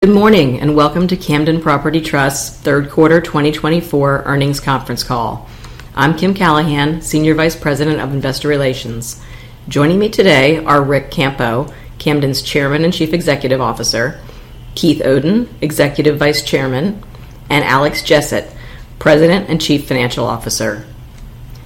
Good morning and welcome to Camden Property Trust's Third Quarter 2024 Earnings Conference Call. I'm Kim Callahan, Senior Vice President of Investor Relations. Joining me today are Ric Campo, Camden's Chairman and Chief Executive Officer, Keith Oden, Executive Vice Chairman, and Alex Jessett, President and Chief Financial Officer.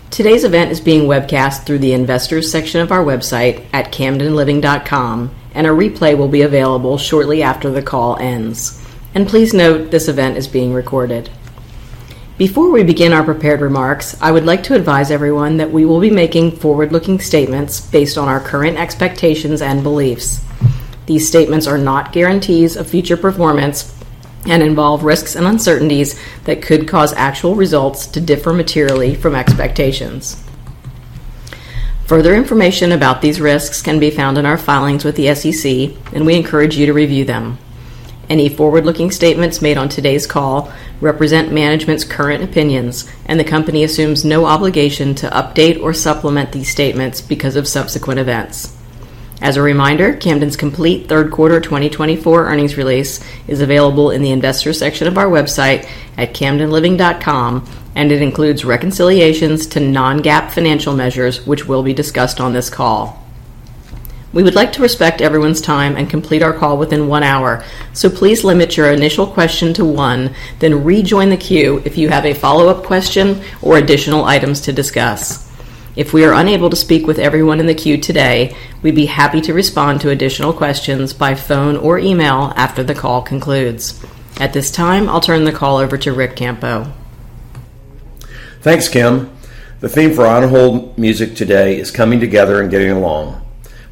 Today's event is being webcast through the Investors section of our website at camdenliving.com, and a replay will be available shortly after the call ends. Please note this event is being recorded. Before we begin our prepared remarks, I would like to advise everyone that we will be making forward-looking statements based on our current expectations and beliefs. These statements are not guarantees of future performance and involve risks and uncertainties that could cause actual results to differ materially from expectations. Further information about these risks can be found in our filings with the SEC, and we encourage you to review them. Any forward-looking statements made on today's call represent management's current opinions, and the company assumes no obligation to update or supplement these statements because of subsequent events. As a reminder, Camden's complete Third Quarter 2024 earnings release is available in the Investors section of our website at camdenliving.com, and it includes reconciliations to non-GAAP financial measures, which will be discussed on this call. We would like to respect everyone's time and complete our call within one hour, so please limit your initial question to one, then rejoin the queue if you have a follow-up question or additional items to discuss. If we are unable to speak with everyone in the queue today, we'd be happy to respond to additional questions by phone or email after the call concludes. At this time, I'll turn the call over to Ric Campo. Thanks, Kim. The theme for our on-hold music today is Coming Together and Getting Along.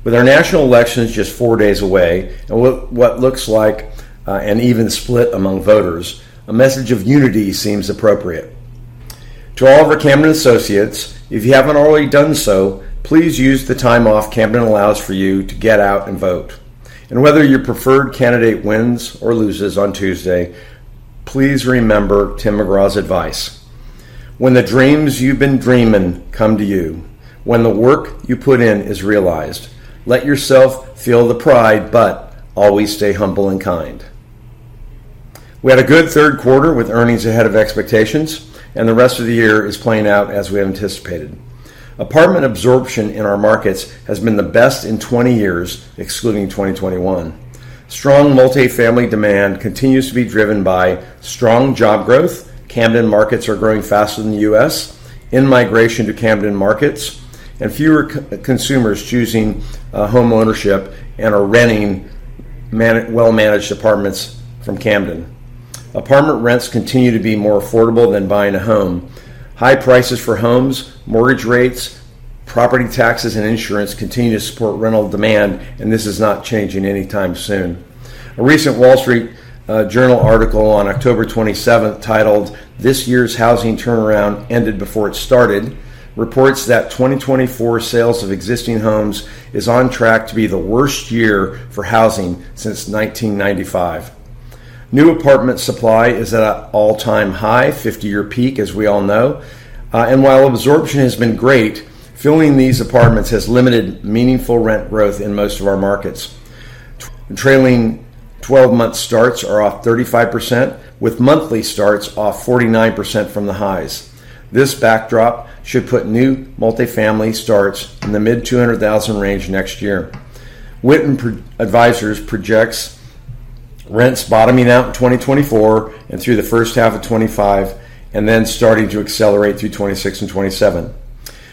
With our national elections just four days away and what looks like an even split among voters, a message of unity seems appropriate. To all of our Camden associates, if you haven't already done so, please use the time off Camden allows for you to get out and vote. And whether your preferred candidate wins or loses on Tuesday, please remember Tim McGraw's advice: "When the dreams you've been dreaming come to you, when the work you put in is realized, let yourself feel the pride, but always stay humble and kind." We had a good third quarter with earnings ahead of expectations, and the rest of the year is playing out as we anticipated. Apartment absorption in our markets has been the best in 20 years, excluding 2021. Strong multifamily demand continues to be driven by strong job growth. Camden markets are growing faster than the U.S., in-migration to Camden markets, and fewer consumers choosing homeownership and are renting well-managed apartments from Camden. Apartment rents continue to be more affordable than buying a home. High prices for homes, mortgage rates, property taxes, and insurance continue to support rental demand, and this is not changing anytime soon. A recent Wall Street Journal article on October 27th titled "This Year's Housing Turnaround Ended Before It Started" reports that 2024 sales of existing homes is on track to be the worst year for housing since 1995. New apartment supply is at an all-time high, 50-year peak, as we all know, and while absorption has been great, filling these apartments has limited meaningful rent growth in most of our markets. Trailing 12-month starts are off 35%, with monthly starts off 49% from the highs. This backdrop should put new multifamily starts in the mid-200,000 range next year. Witten Advisors projects rents bottoming out in 2024 and through the first half of 2025, and then starting to accelerate through 2026 and 2027.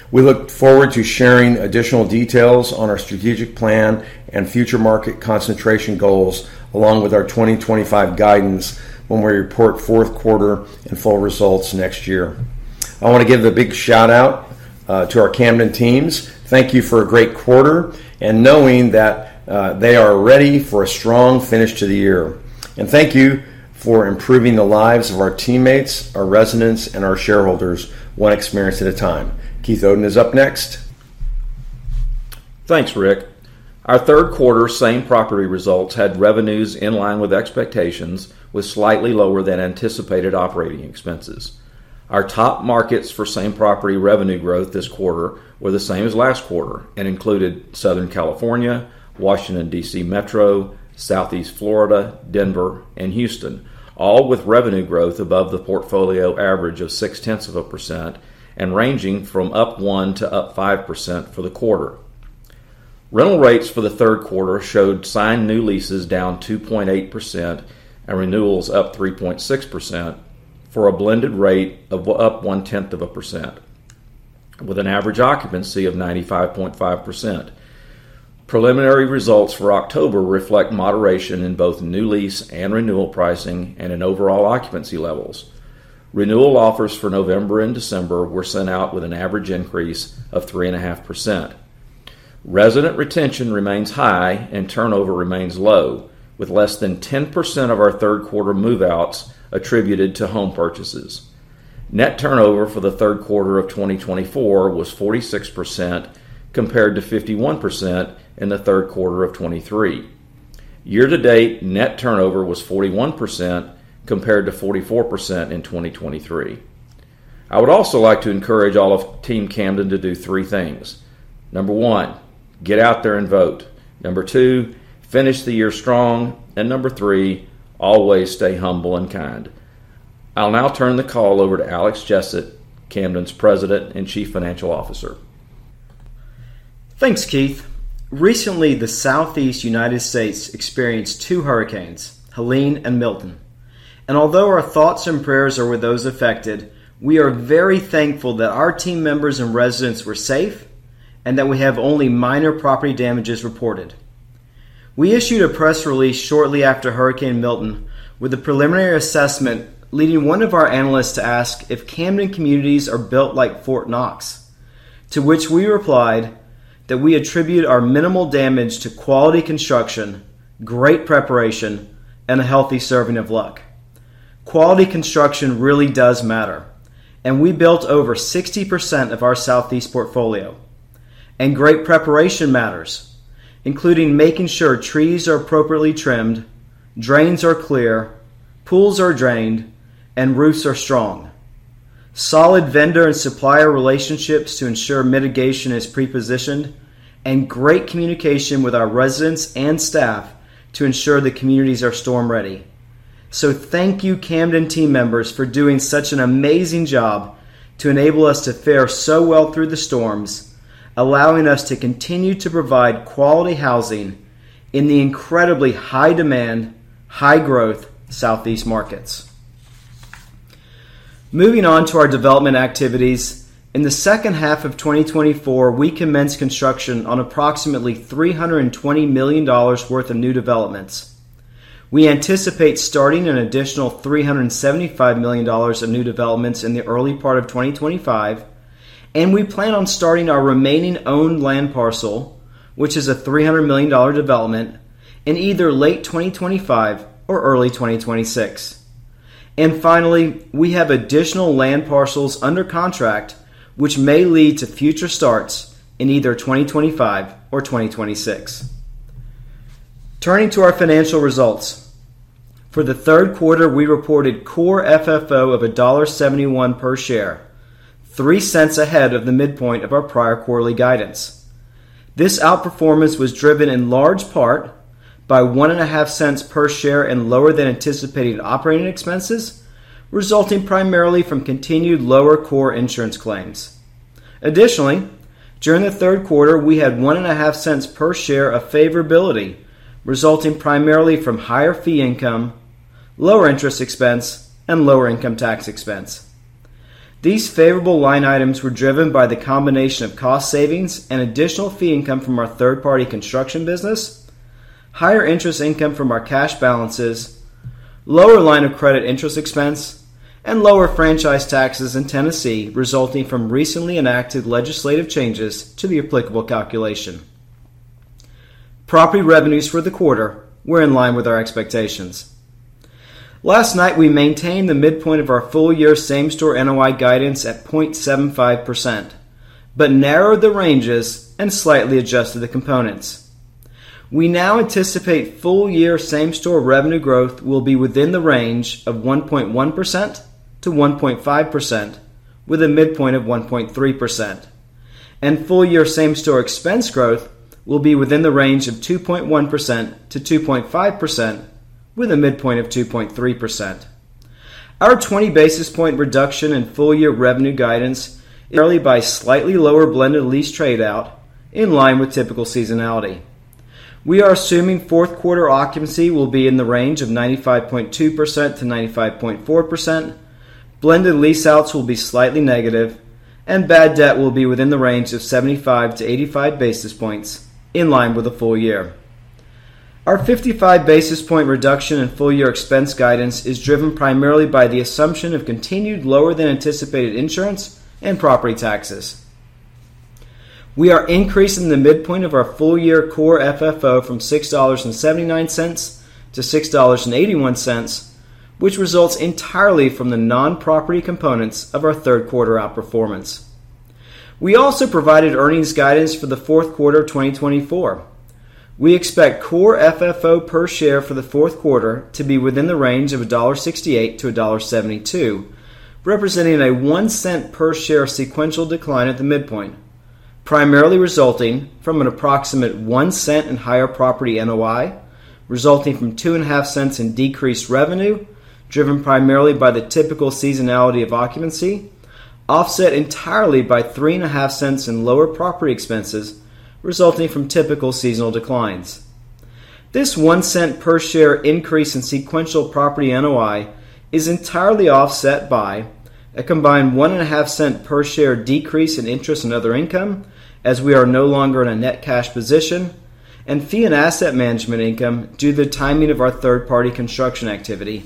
We look forward to sharing additional details on our strategic plan and future market concentration goals, along with our 2025 guidance when we report fourth quarter and full results next year. I want to give a big shout-out to our Camden teams. Thank you for a great quarter and knowing that they are ready for a strong finish to the year. And thank you for improving the lives of our teammates, our residents, and our shareholders one experience at a time. Keith Oden is up next. Thanks, Ric. Our third quarter same-property results had revenues in line with expectations, with slightly lower than anticipated operating expenses. Our top markets for same-property revenue growth this quarter were the same as last quarter and included Southern California, Washington, D.C. Metro, Southeast Florida, Denver, and Houston, all with revenue growth above the portfolio average of 0.6% and ranging from up 1% to up 5% for the quarter. Rental rates for the third quarter showed signed new leases down 2.8% and renewals up 3.6% for a blended rate of up 0.1%, with an average occupancy of 95.5%. Preliminary results for October reflect moderation in both new lease and renewal pricing and in overall occupancy levels. Renewal offers for November and December were sent out with an average increase of 3.5%. Resident retention remains high and turnover remains low, with less than 10% of our third-quarter move-outs attributed to home purchases. Net turnover for the third quarter of 2024 was 46% compared to 51% in the third quarter of 2023. Year-to-date net turnover was 41% compared to 44% in 2023. I would also like to encourage all of Team Camden to do three things. Number one, get out there and vote. Number two, finish the year strong. And number three, always stay humble and kind. I'll now turn the call over to Alex Jessett, Camden's President and Chief Financial Officer. Thanks, Keith. Recently, the Southeast United States experienced two hurricanes, Helene and Milton. And although our thoughts and prayers are with those affected, we are very thankful that our team members and residents were safe and that we have only minor property damages reported. We issued a press release shortly after Hurricane Milton, with a preliminary assessment leading one of our analysts to ask if Camden communities are built like Fort Knox, to which we replied that we attribute our minimal damage to quality construction, great preparation, and a healthy serving of luck. Quality construction really does matter, and we built over 60% of our Southeast portfolio. And great preparation matters, including making sure trees are appropriately trimmed, drains are clear, pools are drained, and roofs are strong. Solid vendor and supplier relationships to ensure mitigation is prepositioned, and great communication with our residents and staff to ensure the communities are storm ready. So thank you, Camden team members, for doing such an amazing job to enable us to fare so well through the storms, allowing us to continue to provide quality housing in the incredibly high-demand, high-growth Southeast markets. Moving on to our development activities, in the second half of 2024, we commenced construction on approximately $320 million worth of new developments. We anticipate starting an additional $375 million of new developments in the early part of 2025, and we plan on starting our remaining owned land parcel, which is a $300 million development, in either late 2025 or early 2026, and finally, we have additional land parcels under contract, which may lead to future starts in either 2025 or 2026. Turning to our financial results, for the third quarter, we reported Core FFO of $1.71 per share, $0.03 ahead of the midpoint of our prior quarterly guidance. This outperformance was driven in large part by $0.015 per share and lower than anticipated operating expenses, resulting primarily from continued lower core insurance claims. Additionally, during the third quarter, we had $0.015 per share of favorability, resulting primarily from higher fee income, lower interest expense, and lower income tax expense. These favorable line items were driven by the combination of cost savings and additional fee income from our third-party construction business, higher interest income from our cash balances, lower line of credit interest expense, and lower franchise taxes in Tennessee, resulting from recently enacted legislative changes to the applicable calculation. Property revenues for the quarter were in line with our expectations. Last night, we maintained the midpoint of our full-year same-store NOI guidance at 0.75%, but narrowed the ranges and slightly adjusted the components. We now anticipate full-year same-store revenue growth will be within the range of 1.1%-1.5%, with a midpoint of 1.3%, and full-year same-store expense growth will be within the range of 2.1%-2.5%, with a midpoint of 2.3%. Our 20 basis point reduction in full-year revenue guidance is carried by slightly lower blended lease trade-out in line with typical seasonality. We are assuming fourth quarter occupancy will be in the range of 95.2%-95.4%. Blended lease trade-outs will be slightly negative, and bad debt will be within the range of 75-85 basis points in line with the full year. Our 55 basis points reduction in full-year expense guidance is driven primarily by the assumption of continued lower than anticipated insurance and property taxes. We are increasing the midpoint of our full-year Core FFO from $6.79-$6.81, which results entirely from the non-property components of our third quarter outperformance. We also provided earnings guidance for the fourth quarter of 2024. We expect Core FFO per share for the fourth quarter to be within the range of $1.68-$1.72, representing a $0.01 per share sequential decline at the midpoint, primarily resulting from an approximate $0.01 in higher property NOI, resulting from $0.025 in decreased revenue, driven primarily by the typical seasonality of occupancy, offset entirely by $0.035 in lower property expenses, resulting from typical seasonal declines. This $0.01 per share increase in sequential property NOI is entirely offset by a combined $0.015 per share decrease in interest and other income, as we are no longer in a net cash position, and fee and asset management income due to the timing of our third-party construction activity,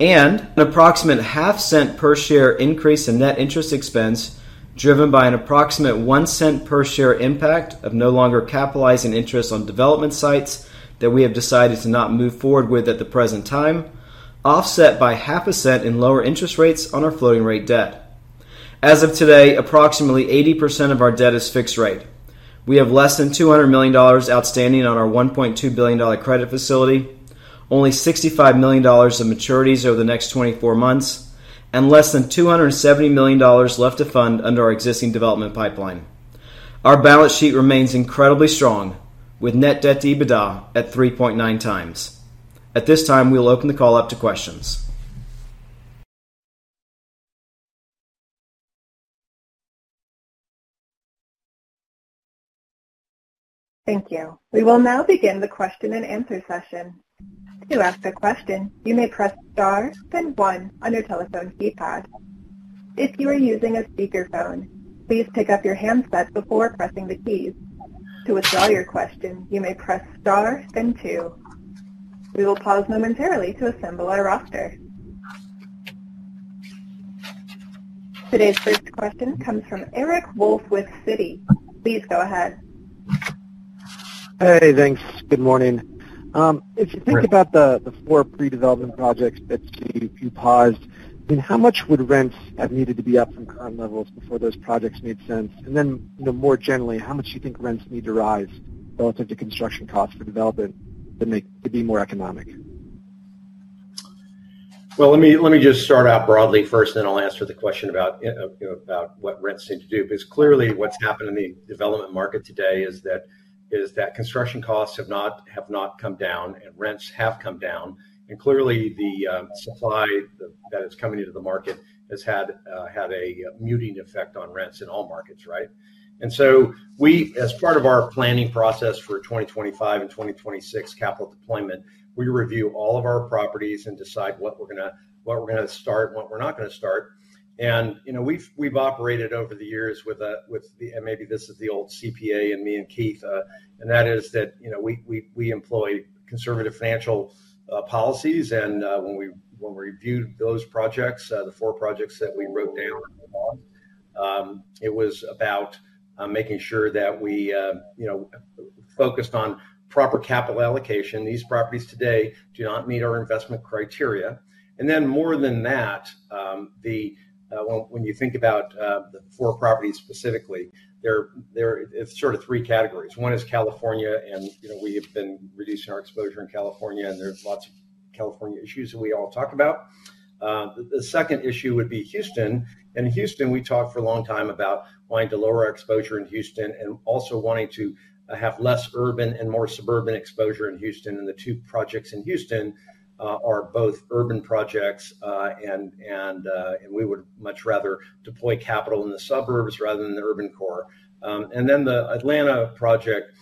and an approximate $0.005 per share increase in net interest expense, driven by an approximate $0.01 per share impact of no longer capitalizing interest on development sites that we have decided to not move forward with at the present time, offset by $0.005 in lower interest rates on our floating-rate debt. As of today, approximately 80% of our debt is fixed rate. We have less than $200 million outstanding on our $1.2 billion credit facility, only $65 million of maturities over the next 24 months, and less than $270 million left to fund under our existing development pipeline. Our balance sheet remains incredibly strong, with Net Debt to EBITDA at 3.9x. At this time, we'll open the call up to questions. Thank you. We will now begin the question and answer session. To ask a question, you may press star then one on your telephone keypad. If you are using a speakerphone, please pick up your handset before pressing the keys. To withdraw your question, you may press star then two. We will pause momentarily to assemble our roster. Today's first question comes from Eric Wolfe with Citi. Please go ahead. Hey, thanks. Good morning. If you think about the four pre-development projects that you paused, how much would rents have needed to be up from current levels before those projects made sense? And then more generally, how much do you think rents need to rise relative to construction costs for development to be more economic? Let me just start out broadly first, and then I'll answer the question about what rents need to do. Because clearly, what's happened in the development market today is that construction costs have not come down, and rents have come down. And clearly, the supply that is coming into the market has had a muting effect on rents in all markets, right? And so we, as part of our planning process for 2025 and 2026 capital deployment, we review all of our properties and decide what we're going to start and what we're not going to start. And we've operated over the years with, and maybe this is the old CPA in me and Keith, and that is that we employ conservative financial policies. And when we reviewed those projects, the four projects that we wrote down, it was about making sure that we focused on proper capital allocation. These properties today do not meet our investment criteria. Then more than that, when you think about the four properties specifically, it's sort of three categories. One is California, and we have been reducing our exposure in California, and there's lots of California issues that we all talk about. The second issue would be Houston. In Houston, we talked for a long time about wanting to lower our exposure in Houston and also wanting to have less urban and more suburban exposure in Houston. The two projects in Houston are both urban projects, and we would much rather deploy capital in the suburbs rather than the urban core. Then the Atlanta project,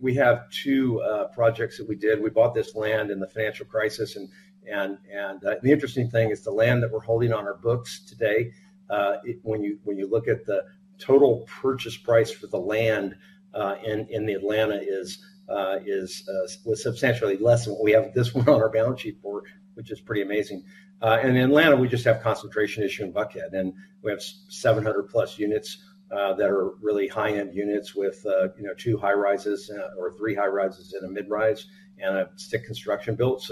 we have two projects that we did. We bought this land in the financial crisis. The interesting thing is the land that we're holding on our books today, when you look at the total purchase price for the land in Atlanta, is substantially less than what we have this one on our balance sheet for, which is pretty amazing. In Atlanta, we just have concentration issue in Buckhead. We have 700+ units that are really high-end units with two high-rises or three high-rises and a mid-rise and a stick-construction build.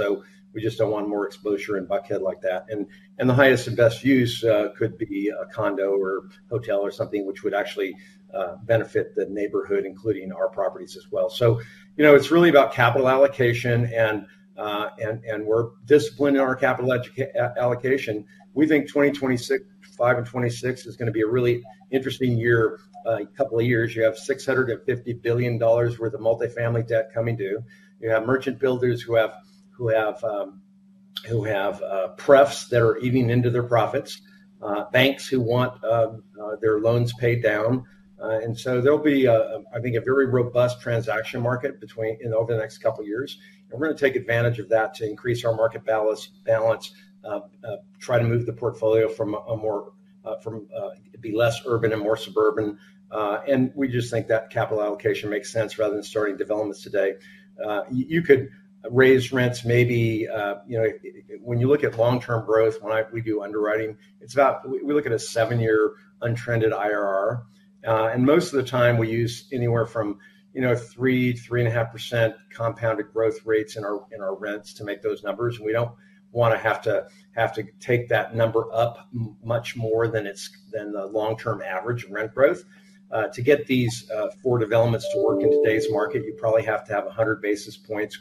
We just don't want more exposure in Buckhead like that. The highest and best use could be a condo or hotel or something which would actually benefit the neighborhood, including our properties as well. It's really about capital allocation, and we're disciplined in our capital allocation. We think 2025 and 2026 is going to be a really interesting year. A couple of years, you have $650 billion worth of multifamily debt coming due. You have merchant builders who have prefs that are eating into their profits, banks who want their loans paid down. And so there'll be, I think, a very robust transaction market over the next couple of years. And we're going to take advantage of that to increase our market balance, try to move the portfolio from more to less urban and more suburban. And we just think that capital allocation makes sense rather than starting developments today. You could raise rents maybe when you look at long-term growth. When we do underwriting, we look at a seven-year unlevered IRR. And most of the time, we use anywhere from 3%-3.5% compounded growth rates in our rents to make those numbers. And we don't want to have to take that number up much more than the long-term average rent growth. To get these four developments to work in today's market, you probably have to have 100 basis points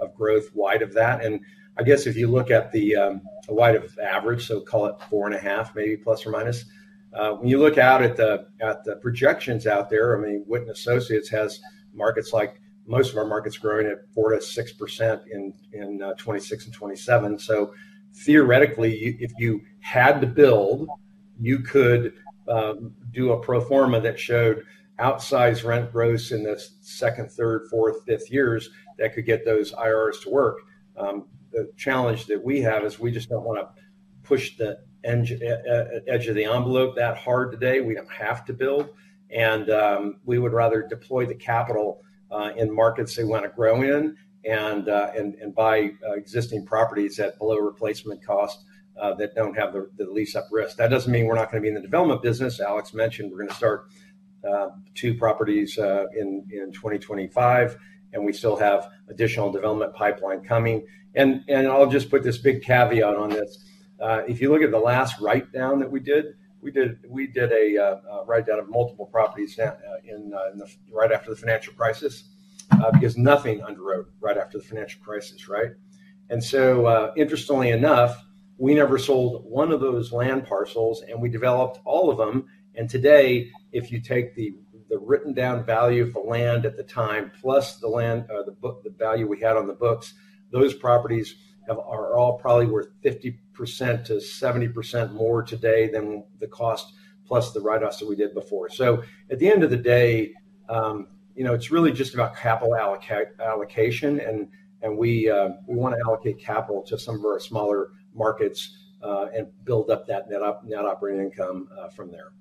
of growth wide of that. And I guess if you look at the wide of average, so call it four and a half, maybe plus or minus, when you look out at the projections out there, I mean, Witten Advisors has markets like most of our markets growing at 4%-6% in 2026 and 2027. So theoretically, if you had to build, you could do a pro forma that showed outsized rent growth in the second, third, fourth, fifth years that could get those IRRs to work. The challenge that we have is we just don't want to push the edge of the envelope that hard today. We don't have to build. We would rather deploy the capital in markets they want to grow in and buy existing properties at below replacement cost that don't have the lease-up risk. That doesn't mean we're not going to be in the development business. Alex mentioned we're going to start two properties in 2025, and we still have additional development pipeline coming. I'll just put this big caveat on this. If you look at the last write-down that we did, we did a write-down of multiple properties right after the financial crisis because nothing underwrote right after the financial crisis, right? So interestingly enough, we never sold one of those land parcels, and we developed all of them. And today, if you take the written-down value of the land at the time plus the value we had on the books, those properties are all probably worth 50%-70% more today than the cost plus the write-offs that we did before. So at the end of the day, it's really just about capital allocation, and we want to allocate capital to some of our smaller markets and build up that net operating income from there.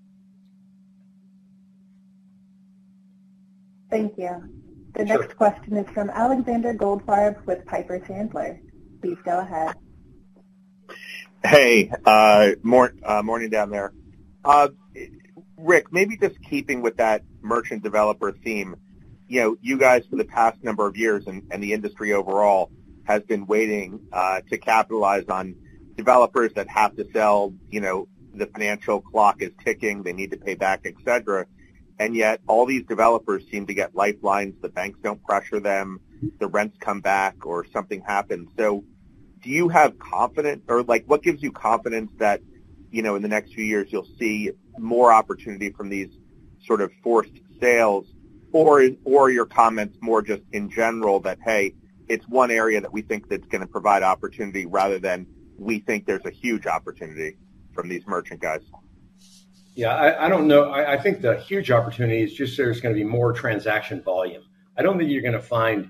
Thank you. The next question is from Alexander Goldfarb with Piper Sandler. Please go ahead. Hey, morning down there. Ric, maybe just keeping with that merchant developer theme, you guys for the past number of years and the industry overall has been waiting to capitalize on developers that have to sell. The financial clock is ticking. They need to pay back, etc. And yet all these developers seem to get lifelines. The banks don't pressure them. The rents come back or something happens. So do you have confidence, or what gives you confidence that in the next few years you'll see more opportunity from these sort of forced sales? Or your comments more just in general that, hey, it's one area that we think that's going to provide opportunity rather than we think there's a huge opportunity from these merchant guys? Yeah, I don't know. I think the huge opportunity is just there's going to be more transaction volume. I don't think you're going to find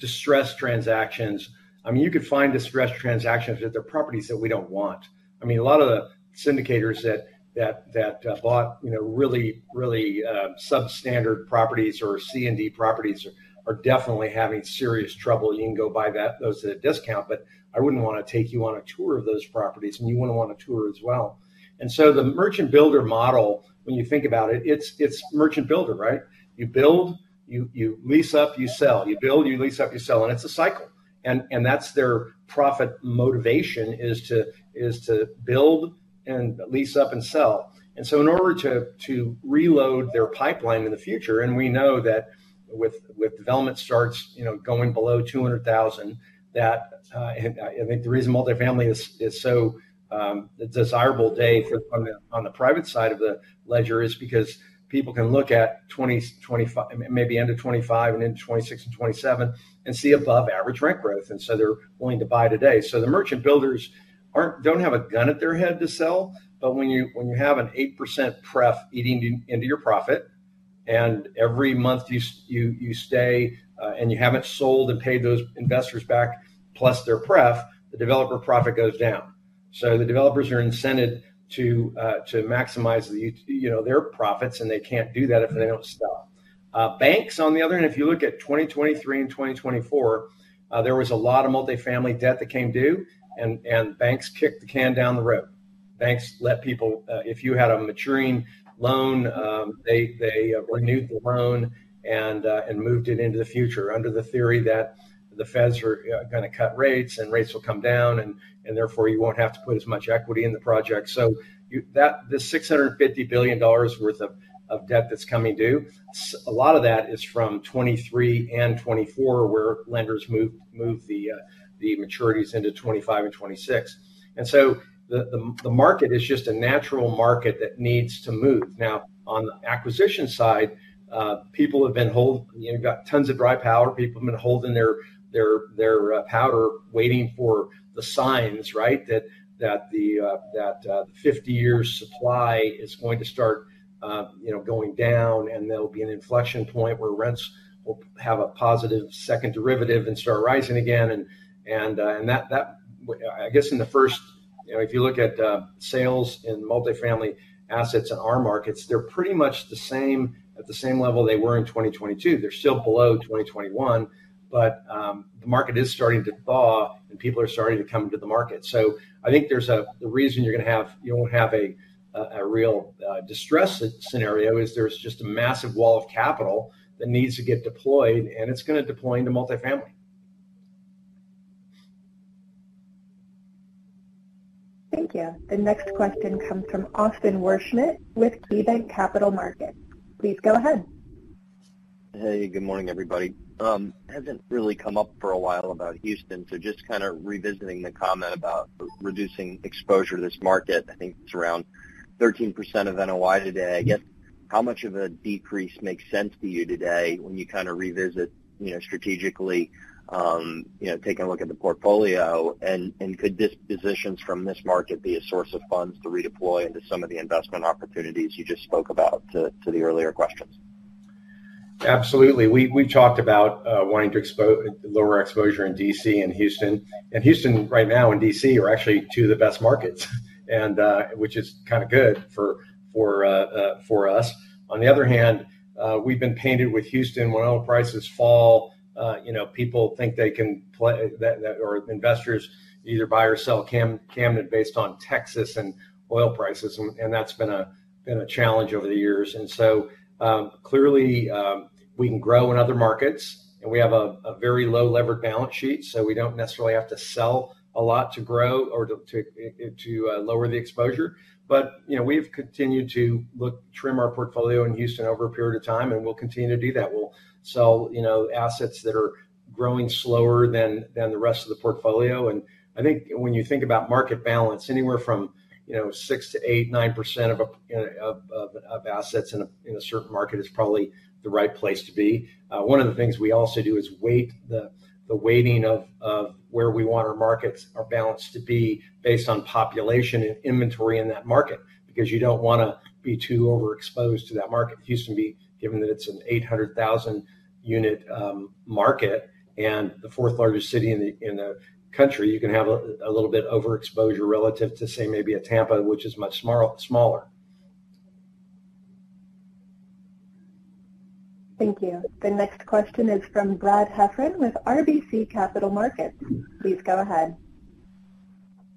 distressed transactions. I mean, you could find distressed transactions that they're properties that we don't want. I mean, a lot of the syndicators that bought really substandard properties or C&D properties are definitely having serious trouble. You can go buy those at a discount, but I wouldn't want to take you on a tour of those properties, and you wouldn't want a tour as well. And so the merchant builder model, when you think about it, it's merchant builder, right? You build, you lease up, you sell. You build, you lease up, you sell. And it's a cycle. And that's their profit motivation is to build and lease up and sell. In order to reload their pipeline in the future, we know that with development starts going below 200,000, that I think the reason multifamily is so desirable today on the private side of the ledger is because people can look at maybe end of 2025 and into 2026 and 2027 and see above average rent growth. They're willing to buy today. The merchant builders don't have a gun at their head to sell, but when you have an 8% pref eating into your profit and every month you stay and you haven't sold and paid those investors back plus their pref, the developer profit goes down. The developers are incented to maximize their profits, and they can't do that if they don't sell. Banks, on the other hand, if you look at 2023 and 2024, there was a lot of multifamily debt that came due, and banks kicked the can down the road. Banks let people, if you had a maturing loan, they renewed the loan and moved it into the future under the theory that the Feds are going to cut rates and rates will come down, and therefore you won't have to put as much equity in the project. So the $650 billion worth of debt that's coming due, a lot of that is from 2023 and 2024 where lenders moved the maturities into 2025 and 2026. And so the market is just a natural market that needs to move. Now, on the acquisition side, people have been holding tons of dry powder. People have been holding their powder waiting for the signs, right, that the 50-year supply is going to start going down, and there'll be an inflection point where rents will have a positive second derivative and start rising again, and I guess in the first, if you look at sales in multifamily assets in our markets, they're pretty much at the same level they were in 2022. They're still below 2021, but the market is starting to thaw, and people are starting to come into the market, so I think the reason you're going to have a real distressed scenario is there's just a massive wall of capital that needs to get deployed, and it's going to deploy into multifamily. Thank you. The next question comes from Austin Wurschmidt with KeyBanc Capital Markets. Please go ahead. Hey, good morning, everybody. Hasn't really come up for a while about Houston, so just kind of revisiting the comment about reducing exposure to this market. I think it's around 13% of NOI today. I guess how much of a decrease makes sense to you today when you kind of revisit strategically, taking a look at the portfolio? And could dispositions from this market be a source of funds to redeploy into some of the investment opportunities you just spoke about to the earlier questions? Absolutely. We've talked about wanting to lower exposure in D.C. and Houston, and Houston right now and D.C. are actually two of the best markets, which is kind of good for us. On the other hand, we've been painted with Houston. When oil prices fall, people think they can or investors either buy or sell Camden based on Texas and oil prices, and that's been a challenge over the years, so clearly, we can grow in other markets, and we have a very low levered balance sheet, so we don't necessarily have to sell a lot to grow or to lower the exposure, but we've continued to trim our portfolio in Houston over a period of time, and we'll continue to do that. We'll sell assets that are growing slower than the rest of the portfolio. I think when you think about market balance, anywhere from 6%, 8%, 9% of assets in a certain market is probably the right place to be. One of the things we also do is weight the weighting of where we want our markets, our balance to be based on population and inventory in that market because you don't want to be too overexposed to that market. Houston, given that it's an 800,000-unit market and the fourth largest city in the country, you can have a little bit of overexposure relative to, say, maybe a Tampa, which is much smaller. Thank you. The next question is from Brad Heffern with RBC Capital Markets. Please go ahead.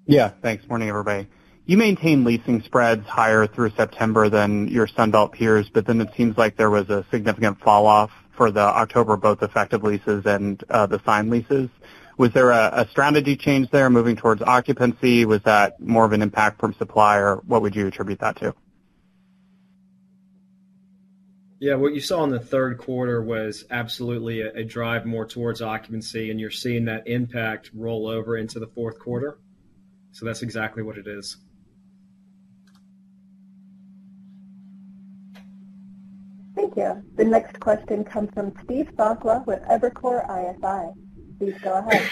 Yeah, thanks. Morning, everybody. You maintain leasing spreads higher through September than your Sunbelt peers, but then it seems like there was a significant falloff for October both effective leases and the signed leases. Was there a strategy change there moving towards occupancy? Was that more of an impact from supply? Or what would you attribute that to? Yeah, what you saw in the third quarter was absolutely a drive more towards occupancy, and you're seeing that impact roll over into the fourth quarter. So that's exactly what it is. Thank you. The next question comes from Steve Sakwa with Evercore ISI. Please go ahead.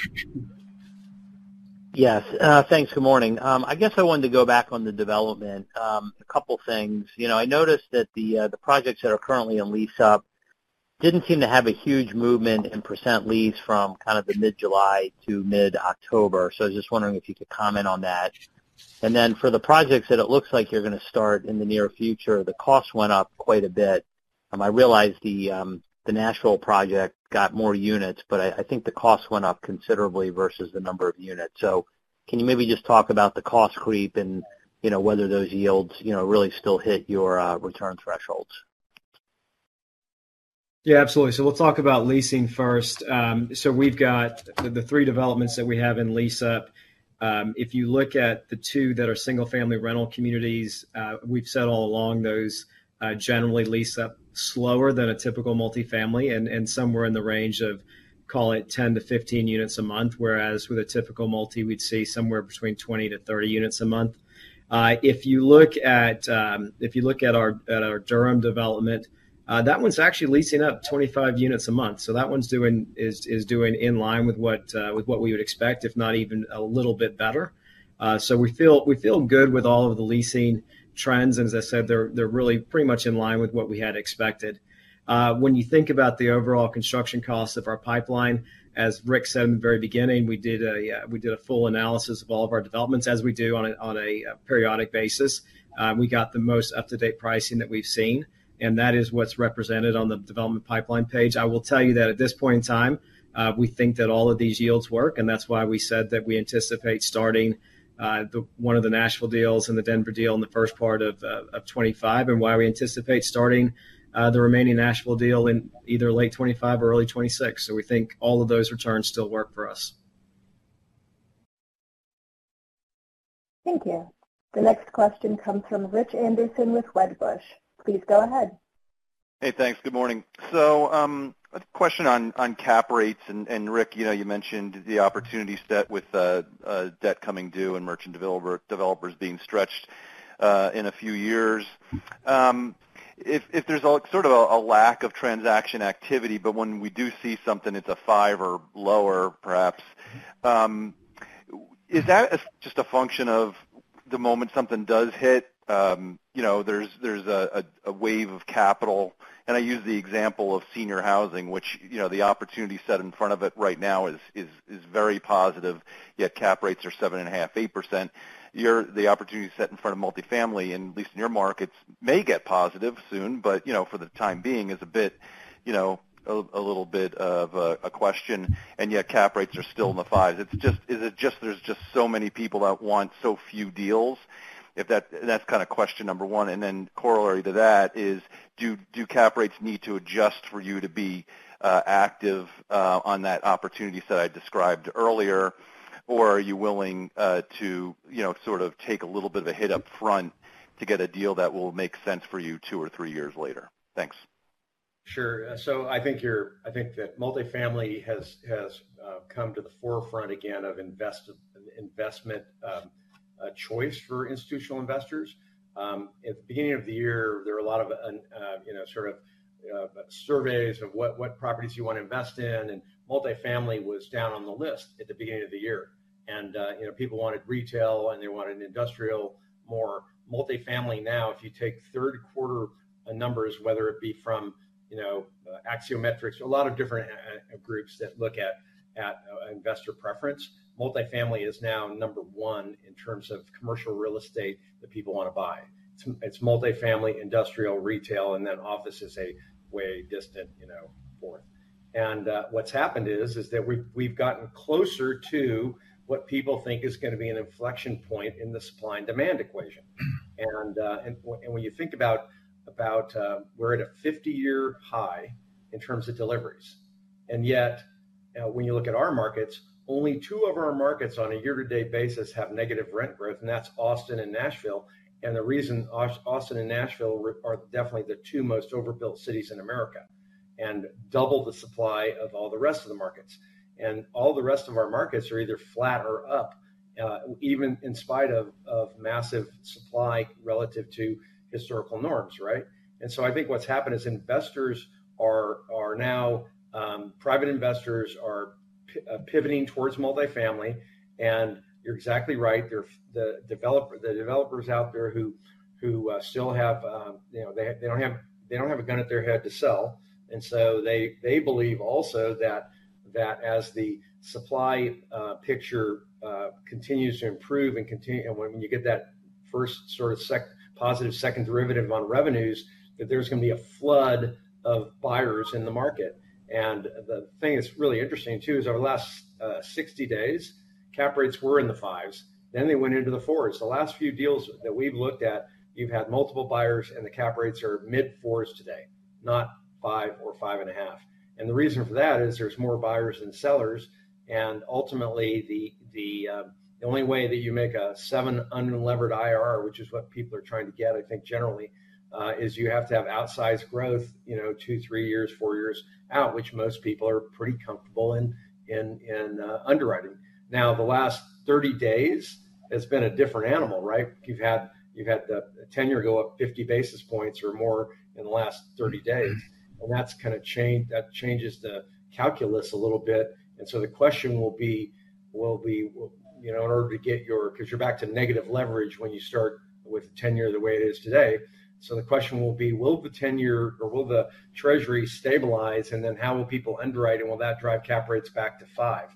Yes, thanks. Good morning. I guess I wanted to go back on the development. A couple of things. I noticed that the projects that are currently in lease-up didn't seem to have a huge movement in percent leased from kind of the mid-July to mid-October. So I was just wondering if you could comment on that. And then for the projects that it looks like you're going to start in the near future, the cost went up quite a bit. I realized the Nashville project got more units, but I think the cost went up considerably versus the number of units. So can you maybe just talk about the cost creep and whether those yields really still hit your return thresholds? Yeah, absolutely. So we'll talk about leasing first. So we've got the three developments that we have in lease-up. If you look at the two that are single-family rental communities, we've said all along those generally lease-up slower than a typical multifamily, and somewhere in the range of, call it 10-15 units a month, whereas with a typical multi, we'd say somewhere between 20-30 units a month. If you look at our Durham development, that one's actually leasing up 25 units a month. So that one's doing in line with what we would expect, if not even a little bit better. So we feel good with all of the leasing trends. And as I said, they're really pretty much in line with what we had expected. When you think about the overall construction costs of our pipeline, as Ric said in the very beginning, we did a full analysis of all of our developments as we do on a periodic basis. We got the most up-to-date pricing that we've seen, and that is what's represented on the development pipeline page. I will tell you that at this point in time, we think that all of these yields work, and that's why we said that we anticipate starting one of the Nashville deals and the Denver deal in the first part of 2025 and why we anticipate starting the remaining Nashville deal in either late 2025 or early 2026. So we think all of those returns still work for us. Thank you. The next question comes from Rich Anderson with Wedbush. Please go ahead. Hey, thanks. Good morning, so a question on cap rates, and Ric, you mentioned the opportunity set with debt coming due and merchant developers being stretched in a few years. If there's sort of a lack of transaction activity, but when we do see something, it's a five or lower, perhaps. Is that just a function of the moment something does hit, there's a wave of capital? And I use the example of senior housing, which the opportunity set in front of it right now is very positive, yet cap rates are 7.5%, 8%. The opportunity set in front of multifamily, at least in your markets, may get positive soon, but for the time being, it's a little bit of a question, and yet cap rates are still in the fives. Is it just there's just so many people that want so few deals? That's kind of question number one. Corollary to that is, do cap rates need to adjust for you to be active on that opportunity set I described earlier, or are you willing to sort of take a little bit of a hit up front to get a deal that will make sense for you two or three years later? Thanks. Sure, so I think that multifamily has come to the forefront again of investment choice for institutional investors. At the beginning of the year, there were a lot of sort of surveys of what properties you want to invest in, and multifamily was down on the list at the beginning of the year, and people wanted retail, and they wanted industrial, more multifamily. Now, if you take third-quarter numbers, whether it be from Axiometrics, a lot of different groups that look at investor preference, multifamily is now number one in terms of commercial real estate that people want to buy. It's multifamily, industrial, retail, and then office is a way distant fourth, and what's happened is that we've gotten closer to what people think is going to be an inflection point in the supply and demand equation. When you think about, we're at a 50-year high in terms of deliveries, and yet when you look at our markets, only two of our markets on a year-to-date basis have negative rent growth, and that's Austin and Nashville. The reason Austin and Nashville are definitely the two most overbuilt cities in America and double the supply of all the rest of the markets. All the rest of our markets are either flat or up, even in spite of massive supply relative to historical norms, right? I think what's happened is private investors are now pivoting towards multifamily. You're exactly right. The developers out there who still have, they don't have a gun to their head to sell. And so they believe also that as the supply picture continues to improve and when you get that first sort of positive second derivative on revenues, that there's going to be a flood of buyers in the market. And the thing that's really interesting too is our last 60 days, cap rates were in the fives. Then they went into the fours. The last few deals that we've looked at, you've had multiple buyers, and the cap rates are mid-fours today, not five or five and a half. And the reason for that is there's more buyers than sellers. And ultimately, the only way that you make a seven unlevered IRR, which is what people are trying to get, I think generally, is you have to have outsized growth two, three years, four years out, which most people are pretty comfortable in underwriting. Now, the last 30 days has been a different animal, right? You've had the 10-year go up 50 basis points or more in the last 30 days. And that's kind of changed that changes the calculus a little bit. And so the question will be, in order to get your because you're back to negative leverage when you start with 10-year the way it is today. So the question will be, will the 10-year or will the Treasury stabilize? And then how will people underwrite? And will that drive cap rates back to 5%?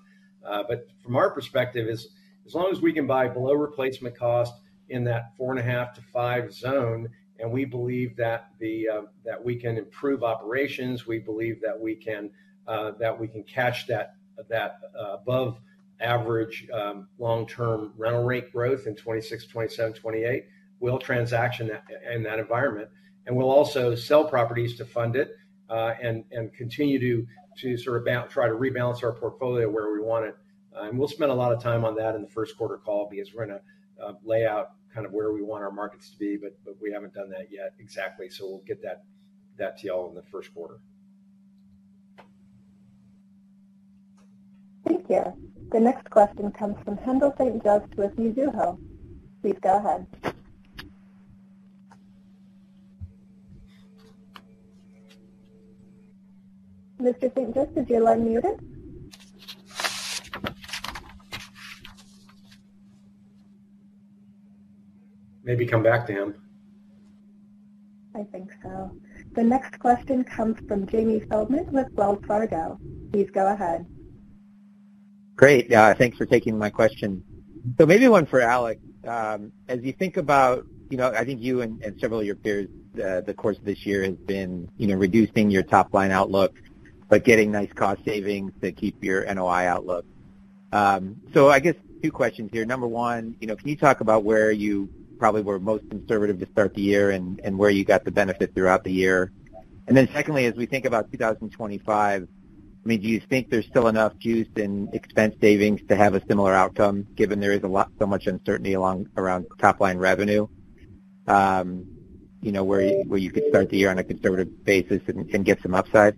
But from our perspective, as long as we can buy below replacement cost in that 4.5%-5% zone, and we believe that we can improve operations, we believe that we can catch that above-average long-term rental rate growth in 2026, 2027, 2028, we'll transaction in that environment. We'll also sell properties to fund it and continue to sort of try to rebalance our portfolio where we want it. We'll spend a lot of time on that in the first quarter call because we're going to lay out kind of where we want our markets to be, but we haven't done that yet exactly. We'll get that to y'all in the first quarter. Thank you. The next question comes from Haendel St. Juste with Mizuho. Please go ahead. Mr. St. Juste, would you like to mute it? Maybe come back to him. I think so. The next question comes from Jamie Feldman with Wells Fargo. Please go ahead. Great. Thanks for taking my question. So maybe one for Alex. As you think about, I think you and several of your peers, the course of this year has been reducing your top-line outlook, but getting nice cost savings to keep your NOI outlook. So I guess two questions here. Number one, can you talk about where you probably were most conservative to start the year and where you got the benefit throughout the year? And then secondly, as we think about 2025, I mean, do you think there's still enough juice and expense savings to have a similar outcome given there is so much uncertainty around top-line revenue where you could start the year on a conservative basis and get some upside?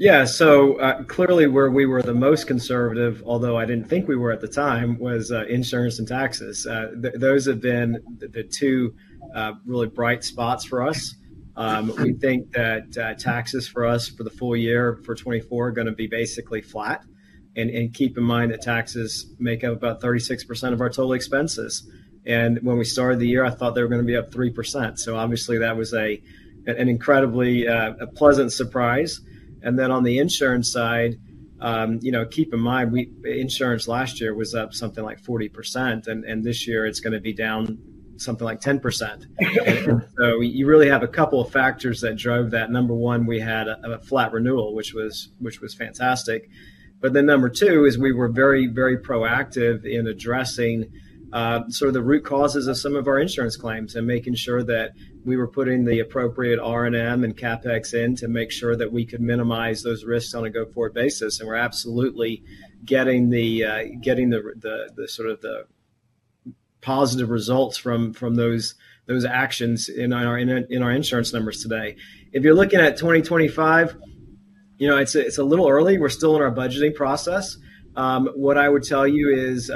Yeah. So clearly, where we were the most conservative, although I didn't think we were at the time, was insurance and taxes. Those have been the two really bright spots for us. We think that taxes for us for the full year for 2024 are going to be basically flat. And keep in mind that taxes make up about 36% of our total expenses. And when we started the year, I thought they were going to be up 3%. So obviously, that was an incredibly pleasant surprise. And then on the insurance side, keep in mind, insurance last year was up something like 40%, and this year it's going to be down something like 10%. So you really have a couple of factors that drove that. Number one, we had a flat renewal, which was fantastic. But then number two is we were very, very proactive in addressing sort of the root causes of some of our insurance claims and making sure that we were putting the appropriate R&M and CapEx in to make sure that we could minimize those risks on a go-forward basis. And we're absolutely getting the sort of the positive results from those actions in our insurance numbers today. If you're looking at 2025, it's a little early. We're still in our budgeting process. What I would tell you is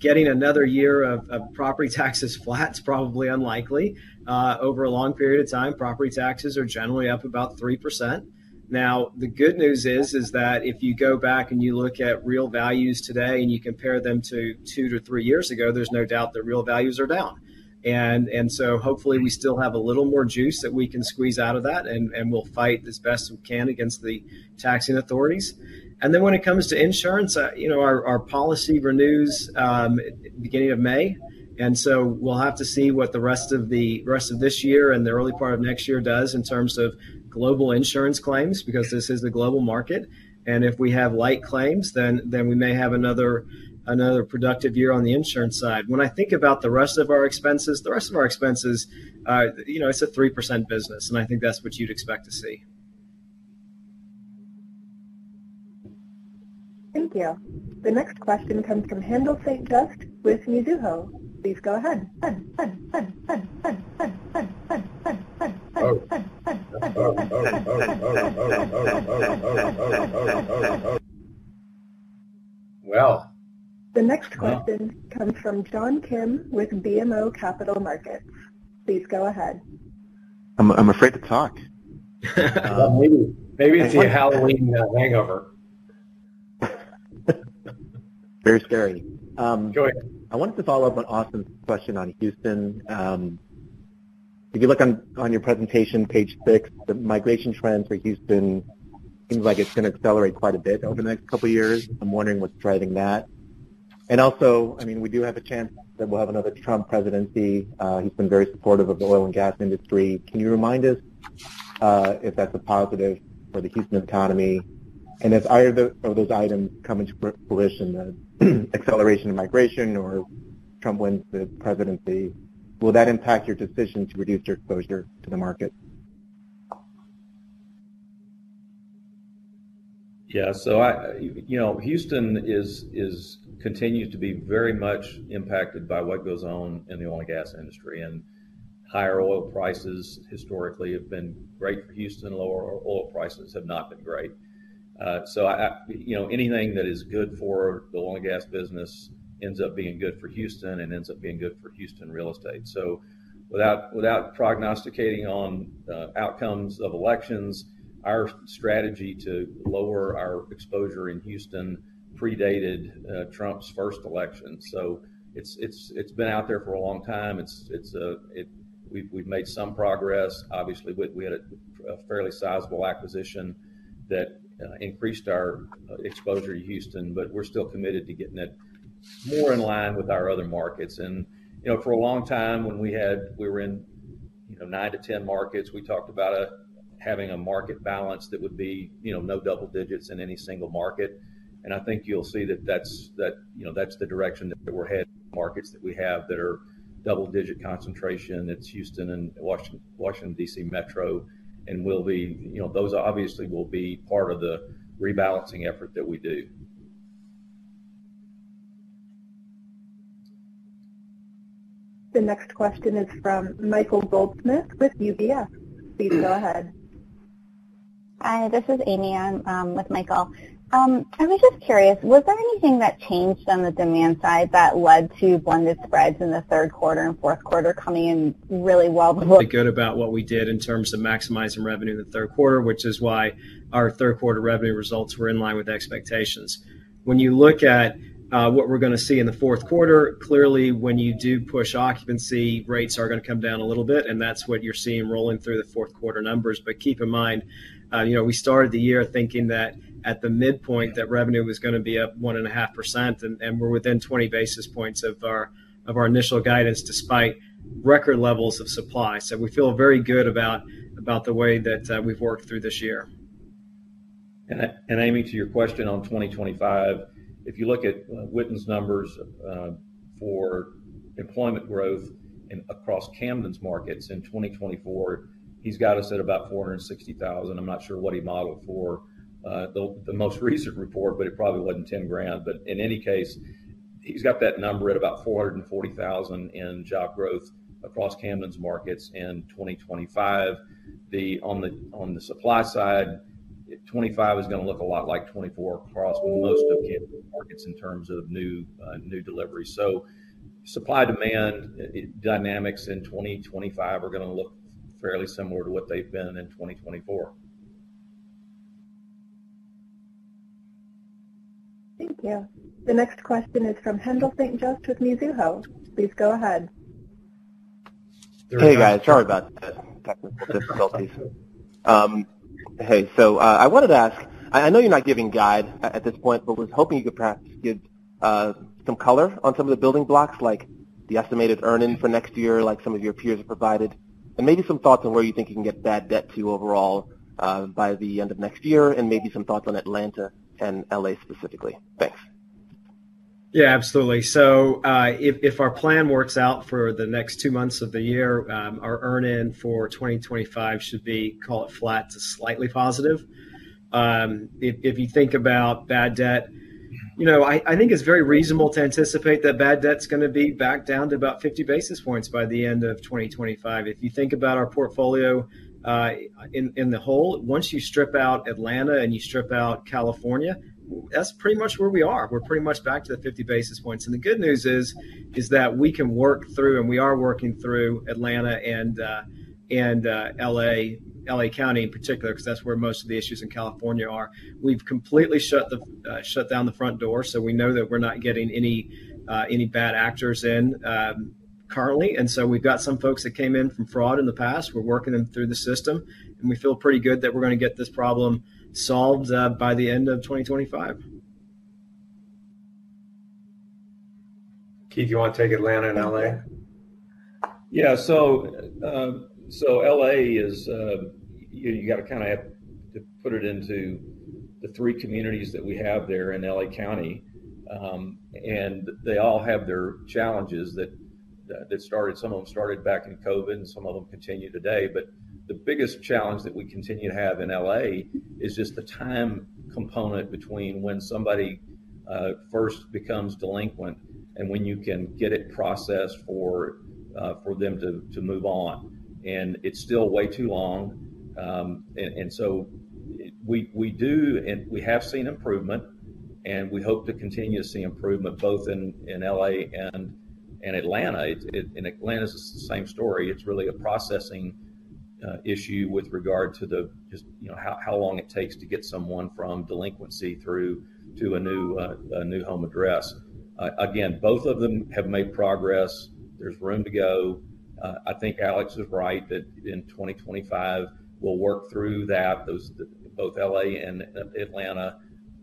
getting another year of property taxes flat is probably unlikely. Over a long period of time, property taxes are generally up about 3%. Now, the good news is that if you go back and you look at real values today and you compare them to two to three years ago, there's no doubt that real values are down. And so hopefully, we still have a little more juice that we can squeeze out of that, and we'll fight as best we can against the taxing authorities. And then when it comes to insurance, our policy renews at the beginning of May. And so we'll have to see what the rest of this year and the early part of next year does in terms of global insurance claims because this is the global market. And if we have light claims, then we may have another productive year on the insurance side. When I think about the rest of our expenses, the rest of our expenses, it's a 3% business, and I think that's what you'd expect to see. Thank you. The next question comes from Haendel St. Juste with Mizuho. Please go ahead. Well. The next question comes from John Kim with BMO Capital Markets. Please go ahead. I'm afraid to talk. Maybe it's a Halloween hangover. Very scary. I wanted to follow up on Austin's question on Houston. If you look on your presentation, page six, the migration trends for Houston seems like it's going to accelerate quite a bit over the next couple of years. I'm wondering what's driving that. And also, I mean, we do have a chance that we'll have another Trump presidency. He's been very supportive of the oil and gas industry. Can you remind us if that's a positive for the Houston economy? And if either of those items come into fruition, the acceleration of migration or Trump wins the presidency, will that impact your decision to reduce your exposure to the market? Yeah. So Houston continues to be very much impacted by what goes on in the oil and gas industry. And higher oil prices historically have been great for Houston. Lower oil prices have not been great. So anything that is good for the oil and gas business ends up being good for Houston and ends up being good for Houston real estate. So without prognosticating on outcomes of elections, our strategy to lower our exposure in Houston predated Trump's first election. So it's been out there for a long time. We've made some progress. Obviously, we had a fairly sizable acquisition that increased our exposure to Houston, but we're still committed to getting it more in line with our other markets. For a long time, when we were in nine to 10 markets, we talked about having a market balance that would be no double digits in any single market. And I think you'll see that that's the direction that we're heading in the markets that we have that are double-digit concentration. It's Houston and Washington, D.C. Metro, and those obviously will be part of the rebalancing effort that we do. The next question is from Michael Goldsmith with UBS. Please go ahead. Hi, this is Ami. I'm with Michael. I was just curious, was there anything that changed on the demand side that led to blended spreads in the third quarter and fourth quarter coming in really well before? Good about what we did in terms of maximizing revenue in the third quarter, which is why our third-quarter revenue results were in line with expectations. When you look at what we're going to see in the fourth quarter, clearly, when you do push occupancy, rates are going to come down a little bit, and that's what you're seeing rolling through the fourth-quarter numbers. But keep in mind, we started the year thinking that at the midpoint, that revenue was going to be up 1.5%, and we're within 20 basis points of our initial guidance despite record levels of supply. So we feel very good about the way that we've worked through this year. Ami, to your question on 2025, if you look at Witten's numbers for employment growth across Camden's markets in 2024, he's got us at about 460,000. I'm not sure what he modeled for the most recent report, but it probably wasn't 10 grand. In any case, he's got that number at about 440,000 in job growth across Camden's markets in 2025. On the supply side, 2025 is going to look a lot like 2024 across most of Camden's markets in terms of new delivery. So supply-demand dynamics in 2025 are going to look fairly similar to what they've been in 2024. Thank you. The next question is from Haendel St. Juste with Mizuho. Please go ahead. Hey, guys. Sorry about the technical difficulties. Hey, so I wanted to ask, I know you're not giving guidance at this point, but was hoping you could perhaps give some color on some of the building blocks, like the estimated earnings for next year, like some of your peers have provided, and maybe some thoughts on where you think you can get bad debt to overall by the end of next year, and maybe some thoughts on Atlanta and L.A. specifically. Thanks. Yeah, absolutely. So if our plan works out for the next two months of the year, our earnings for 2025 should be, call it flat to slightly positive. If you think about bad debt, I think it's very reasonable to anticipate that bad debt's going to be back down to about 50 basis points by the end of 2025. If you think about our portfolio in the whole, once you strip out Atlanta and you strip out California, that's pretty much where we are. We're pretty much back to the 50 basis points. And the good news is that we can work through, and we are working through Atlanta and L.A. County in particular, because that's where most of the issues in California are. We've completely shut down the front door, so we know that we're not getting any bad actors in currently. And so we've got some folks that came in from fraud in the past. We're working them through the system, and we feel pretty good that we're going to get this problem solved by the end of 2025. Keith, you want to take Atlanta and L.A.? Yeah. So L.A. is. You got to kind of put it into the three communities that we have there in L.A. County, and they all have their challenges that started, some of them started back in COVID, and some of them continue today. But the biggest challenge that we continue to have in L.A. is just the time component between when somebody first becomes delinquent and when you can get it processed for them to move on. And it's still way too long. And so we have seen improvement, and we hope to continue to see improvement both in L.A. and Atlanta. In Atlanta, it's the same story. It's really a processing issue with regard to just how long it takes to get someone from delinquency through to a new home address. Again, both of them have made progress. There's room to go. I think Alex is right that in 2025, we'll work through that. Both L.A. and Atlanta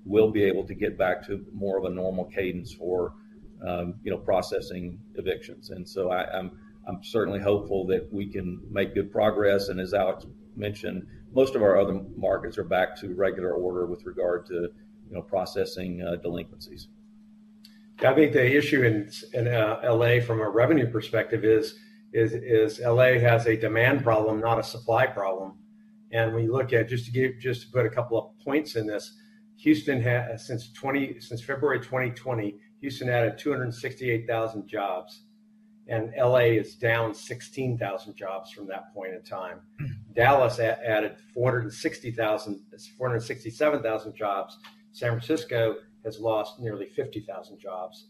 will be able to get back to more of a normal cadence for processing evictions. And so I'm certainly hopeful that we can make good progress. And as Alex mentioned, most of our other markets are back to regular order with regard to processing delinquencies. I think the issue in L.A. from a revenue perspective is L.A. has a demand problem, not a supply problem. And we look at, just to put a couple of points in this, since February 2020, Houston added 268,000 jobs, and L.A. is down 16,000 jobs from that point in time. Dallas added 467,000 jobs. San Francisco has lost nearly 50,000 jobs.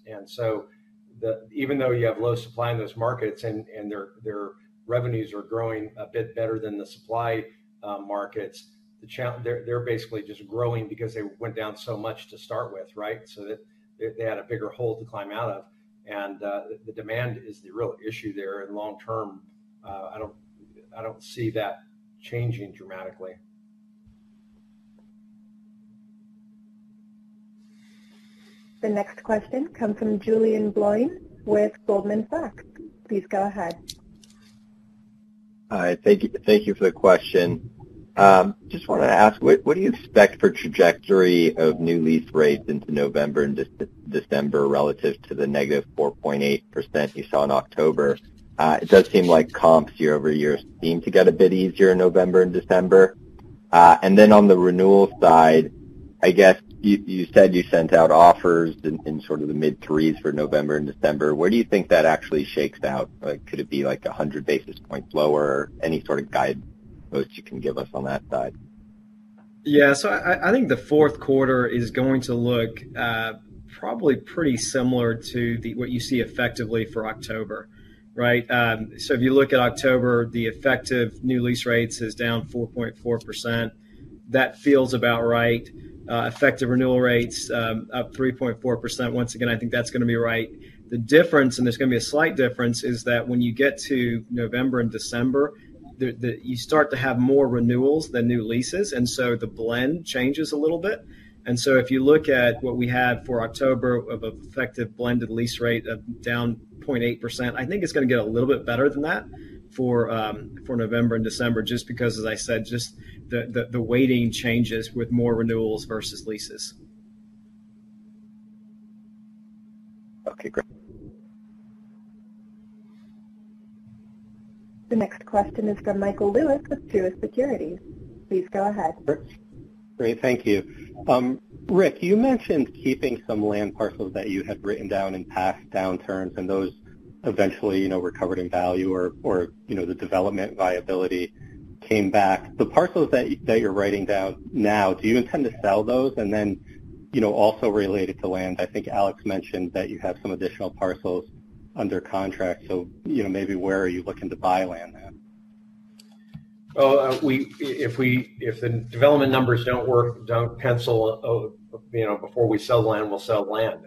Even though you have low supply in those markets and their revenues are growing a bit better than the supply markets, they're basically just growing because they went down so much to start with, right? So they had a bigger hole to climb out of. And the demand is the real issue there in long term. I don't see that changing dramatically. The next question comes from Julien Blouin with Goldman Sachs. Please go ahead. Thank you for the question. Just wanted to ask, what do you expect for trajectory of new lease rates into November and December relative to the -4.8% you saw in October? It does seem like comps year-over-year seem to get a bit easier in November and December, and then on the renewal side, I guess you said you sent out offers in sort of the mid-threes for November and December. Where do you think that actually shakes out? Could it be like 100 basis points lower? Any sort of guidance you can give us on that side? Yeah. So I think the fourth quarter is going to look probably pretty similar to what you see effectively for October, right? So if you look at October, the effective new lease rates is down 4.4%. That feels about right. Effective renewal rates up 3.4%. Once again, I think that's going to be right. The difference, and there's going to be a slight difference, is that when you get to November and December, you start to have more renewals than new leases, and so the blend changes a little bit. And so if you look at what we had for October of an effective blended lease rate of down 0.8%, I think it's going to get a little bit better than that for November and December, just because, as I said, just the weighting changes with more renewals versus leases. Okay. Great. The next question is from Michael Lewis with Truist Securities. Please go ahead. Great. Thank you. Ric, you mentioned keeping some land parcels that you had written down in past downturns, and those eventually recovered in value or the development viability came back. The parcels that you're writing down now, do you intend to sell those? And then also related to land, I think Alex mentioned that you have some additional parcels under contract. So maybe where are you looking to buy land now? If the development numbers don't pencil before we sell land, we'll sell land.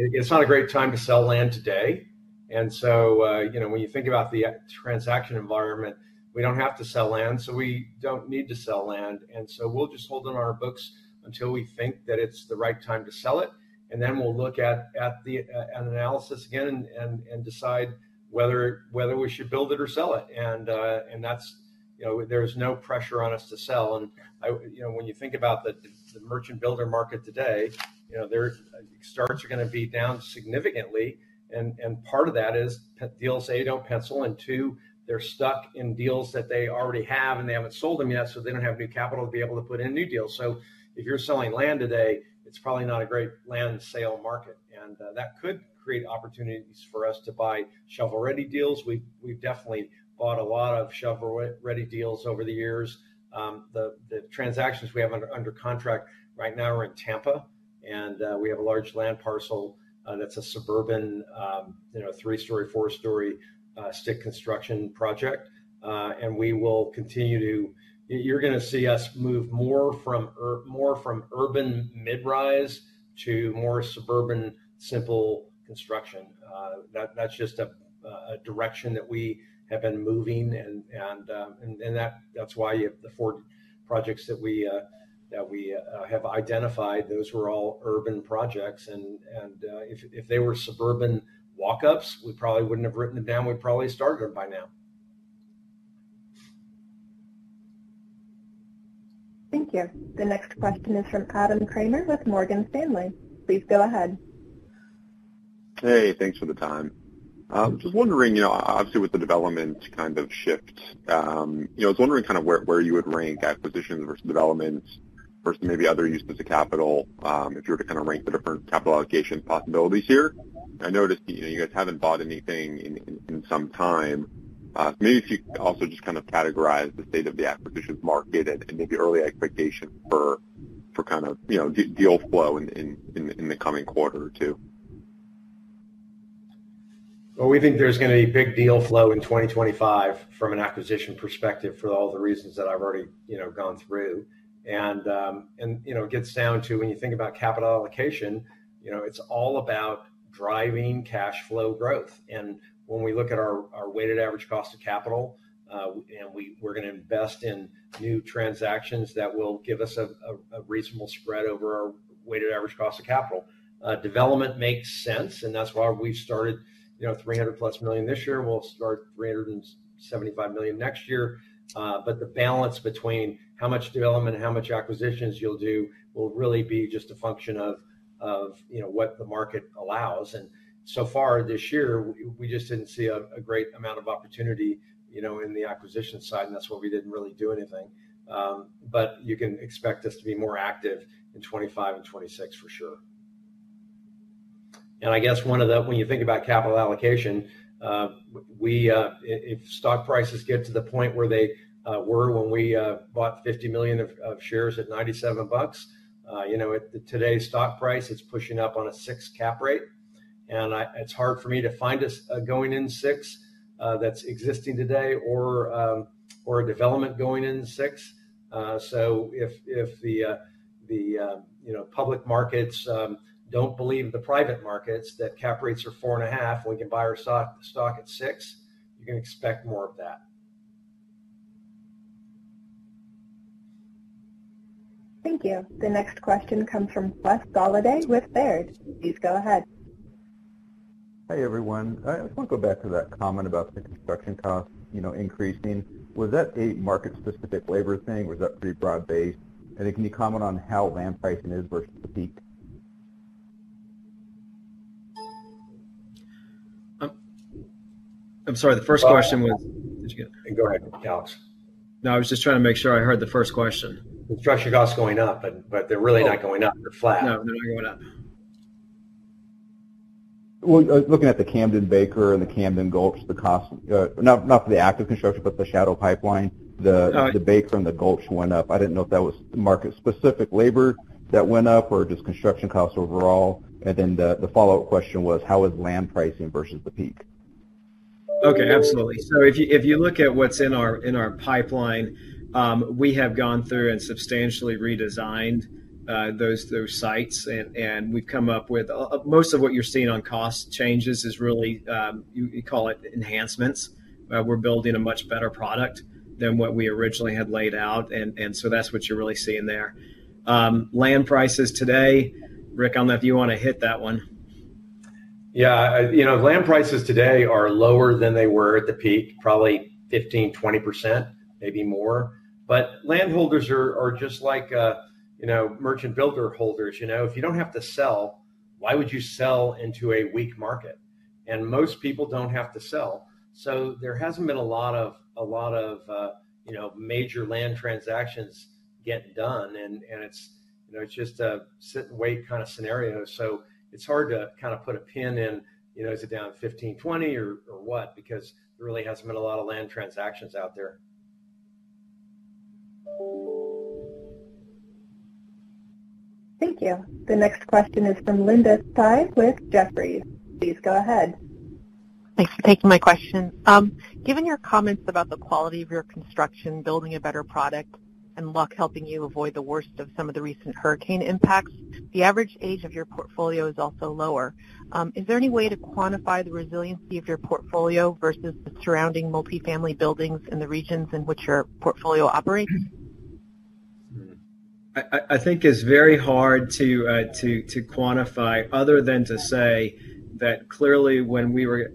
It's not a great time to sell land today. When you think about the transaction environment, we don't have to sell land, so we don't need to sell land. We'll just hold on our books until we think that it's the right time to sell it. Then we'll look at an analysis again and decide whether we should build it or sell it. There's no pressure on us to sell. When you think about the merchant builder market today, starts are going to be down significantly. Part of that is deals don't pencil. Two, they're stuck in deals that they already have, and they haven't sold them yet, so they don't have new capital to be able to put in new deals. So if you're selling land today, it's probably not a great land sale market, and that could create opportunities for us to buy shovel-ready deals. We've definitely bought a lot of shovel-ready deals over the years. The transactions we have under contract right now are in Tampa, and we have a large land parcel that's a suburban, three-story, four-story stick construction project, and we will continue to, you're going to see us move more from urban mid-rise to more suburban simple construction. That's just a direction that we have been moving, and that's why the four projects that we have identified, those were all urban projects, and if they were suburban walk-ups, we probably wouldn't have written them down. We'd probably started them by now. Thank you. The next question is from Adam Kramer with Morgan Stanley. Please go ahead. Hey, thanks for the time. I was just wondering, obviously, with the development kind of shift, I was wondering kind of where you would rank acquisitions versus developments versus maybe other uses of capital if you were to kind of rank the different capital allocation possibilities here. I noticed you guys haven't bought anything in some time. Maybe if you could also just kind of categorize the state of the acquisition market and maybe early expectations for kind of deal flow in the coming quarter or two. We think there's going to be big deal flow in 2025 from an acquisition perspective for all the reasons that I've already gone through. It gets down to, when you think about capital allocation, it's all about driving cash flow growth. When we look at our weighted average cost of capital, and we're going to invest in new transactions that will give us a reasonable spread over our weighted average cost of capital, development makes sense. That's why we've started $300+ million this year. We'll start $375 million next year. The balance between how much development and how much acquisitions you'll do will really be just a function of what the market allows. So far this year, we just didn't see a great amount of opportunity in the acquisition side, and that's why we didn't really do anything. But you can expect us to be more active in 2025 and 2026 for sure. And I guess one of the, when you think about capital allocation, if stock prices get to the point where they were when we bought 50 million of shares at $97, today's stock price is pushing up on a six cap rate. And it's hard for me to find us going in six that's existing today or a development going in six. So if the public markets don't believe the private markets that cap rates are four and a half, we can buy our stock at six, you can expect more of that. Thank you. The next question comes from Wes Golladay with Baird. Please go ahead. Hi everyone. I want to go back to that comment about the construction costs increasing. Was that a market-specific labor thing? Was that pretty broad-based? And can you comment on how land pricing is versus the peak? I'm sorry. The first question was. Go ahead, Alex. No, I was just trying to make sure I heard the first question. Construction costs going up, but they're really not going up. They're flat. No, they're not going up. Looking at the Camden Baker and the Camden Gulch, the cost, not for the active construction, but the shadow pipeline, the Baker and the Gulch went up. I didn't know if that was market-specific labor that went up or just construction costs overall. Then the follow-up question was, how is land pricing versus the peak? Okay. Absolutely. So if you look at what's in our pipeline, we have gone through and substantially redesigned those sites. And we've come up with most of what you're seeing on cost changes is really, you call it, enhancements. We're building a much better product than what we originally had laid out. And so that's what you're really seeing there. Land prices today, Ric, on that, if you want to hit that one. Yeah. Land prices today are lower than they were at the peak, probably 15%-20%, maybe more. But landholders are just like merchant-builder holders. If you don't have to sell, why would you sell into a weak market? And most people don't have to sell. So there hasn't been a lot of major land transactions getting done. And it's just a sit-and-wait kind of scenario. So it's hard to kind of put a pin in, is it down 15%-20%, or what? Because there really hasn't been a lot of land transactions out there. Thank you. The next question is from Linda Tsai with Jefferies. Please go ahead. Thanks for taking my question. Given your comments about the quality of your construction, building a better product, and luck helping you avoid the worst of some of the recent hurricane impacts, the average age of your portfolio is also lower. Is there any way to quantify the resiliency of your portfolio versus the surrounding multifamily buildings in the regions in which your portfolio operates? I think it's very hard to quantify other than to say that clearly when we were,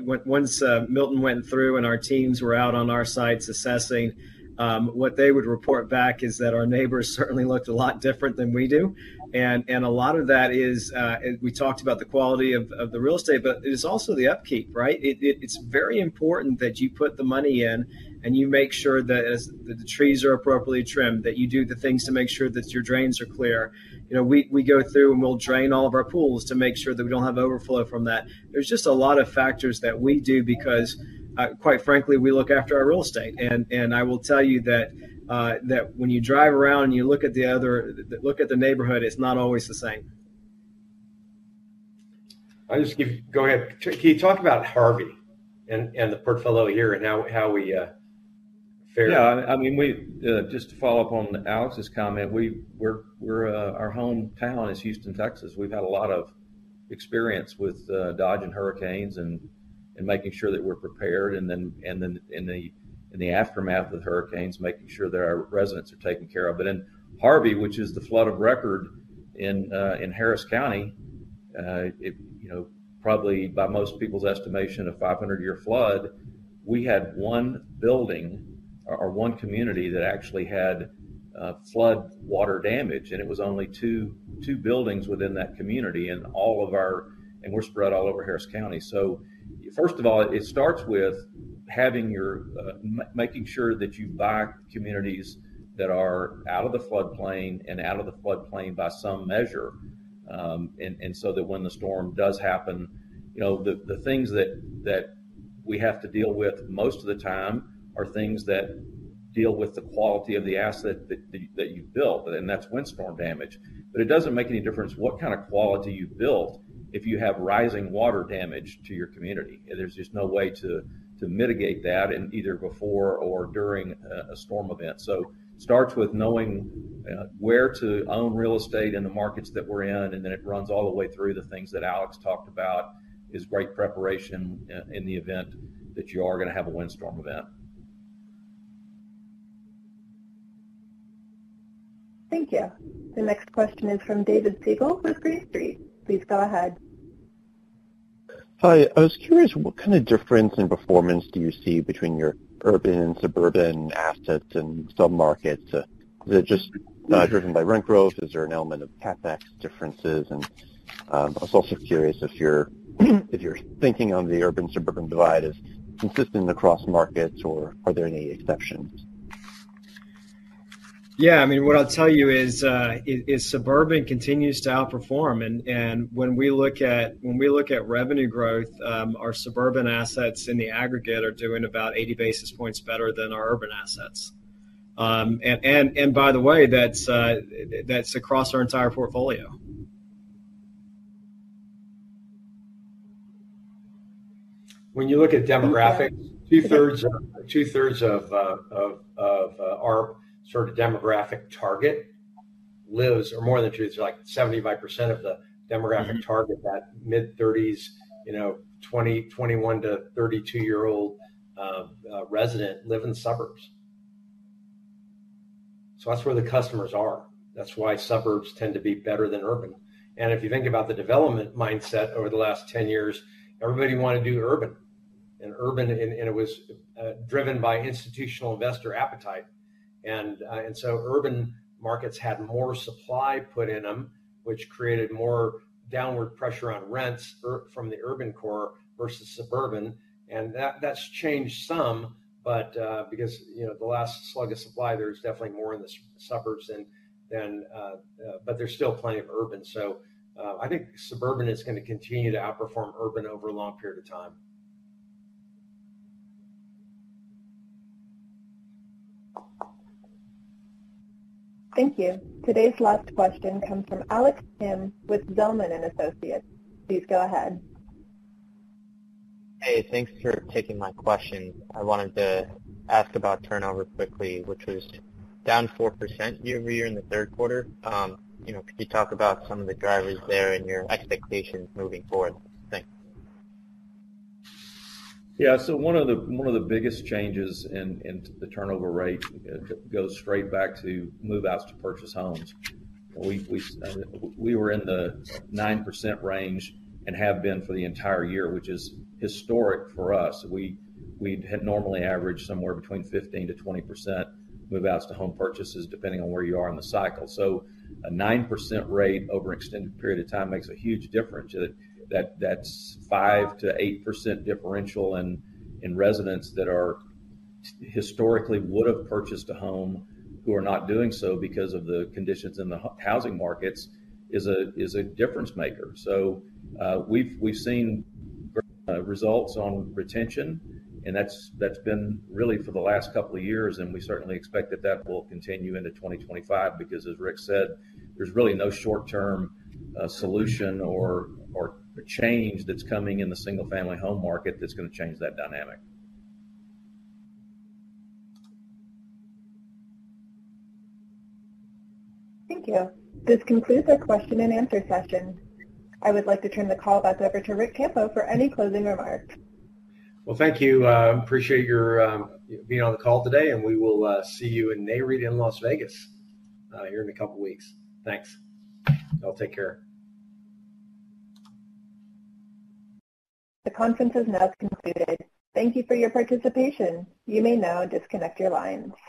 once Milton went through and our teams were out on our sites assessing, what they would report back is that our neighbors certainly looked a lot different than we do, and a lot of that is, we talked about the quality of the real estate, but it's also the upkeep, right? It's very important that you put the money in and you make sure that the trees are appropriately trimmed, that you do the things to make sure that your drains are clear. We go through and we'll drain all of our pools to make sure that we don't have overflow from that. There's just a lot of factors that we do because, quite frankly, we look after our real estate. I will tell you that when you drive around and you look at the neighborhood, it's not always the same. I'll just give you, go ahead. Can you talk about Harvey and the portfolio here and how we fare? Yeah. I mean, just to follow up on Alex's comment, our hometown is Houston, Texas. We've had a lot of experience with dodging hurricanes and making sure that we're prepared. And then in the aftermath of hurricanes, making sure that our residents are taken care of. But in Harvey, which is the flood of record in Harris County, probably by most people's estimation of 500-year flood, we had one building or one community that actually had flood water damage. And it was only two buildings within that community. And we're spread all over Harris County. So first of all, it starts with making sure that you buy communities that are out of the floodplain and out of the floodplain by some measure. And so that when the storm does happen, the things that we have to deal with most of the time are things that deal with the quality of the asset that you've built. And that's windstorm damage. But it doesn't make any difference what kind of quality you've built if you have rising water damage to your community. There's just no way to mitigate that either before or during a storm event. So it starts with knowing where to own real estate in the markets that we're in. And then it runs all the way through the things that Alex talked about is great preparation in the event that you are going to have a windstorm event. Thank you. The next question is from David Segall with Green Street. Please go ahead. Hi. I was curious what kind of difference in performance do you see between your urban and suburban assets and sub-markets? Is it just driven by rent growth? Is there an element of CapEx differences? And I was also curious if you're thinking on the urban-suburban divide is consistent across markets or are there any exceptions? Yeah. I mean, what I'll tell you is suburban continues to outperform. And when we look at revenue growth, our suburban assets in the aggregate are doing about 80 basis points better than our urban assets. And by the way, that's across our entire portfolio. When you look at demographics, 2/3 of our sort of demographic target lives, or more than 2/3, like 75% of the demographic target, that mid-30s, 21 to 32-year-old resident live in suburbs, so that's where the customers are. That's why suburbs tend to be better than urban, and if you think about the development mindset over the last 10 years, everybody wanted to do urban, and urban was driven by institutional investor appetite, and so urban markets had more supply put in them, which created more downward pressure on rents from the urban core versus suburban, and that's changed some, but because the last slug of supply, there's definitely more in the suburbs, but there's still plenty of urban, so I think suburban is going to continue to outperform urban over a long period of time. Thank you. Today's last question comes from Alex Kim with Zelman & Associates. Please go ahead. Hey, thanks for taking my question. I wanted to ask about turnover quickly, which was down 4% year-over-year in the third quarter. Could you talk about some of the drivers there and your expectations moving forward? Thanks. Yeah. So one of the biggest changes in the turnover rate goes straight back to move-outs to home purchases. We were in the 9% range and have been for the entire year, which is historic for us. We had normally averaged somewhere between 15%-20% move-outs to home purchases, depending on where you are in the cycle. So a 9% rate over an extended period of time makes a huge difference. That's 5%-8% differential in residents that historically would have purchased a home who are not doing so because of the conditions in the housing markets is a difference maker. So we've seen results on retention. And that's been really for the last couple of years. We certainly expect that that will continue into 2025 because, as Ric said, there's really no short-term solution or change that's coming in the single-family home market that's going to change that dynamic. Thank you. This concludes our question and answer session. I would like to turn the call back over to Ric Campo for any closing remarks. Thank you. I appreciate your being on the call today. And we will see you in Nareit in Las Vegas here in a couple of weeks. Thanks. Y'all take care. The conference has now concluded. Thank you for your participation. You may now disconnect your lines.